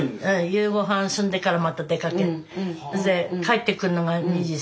夕御飯済んでからまた出かけてそれで帰ってくるのが２時３時。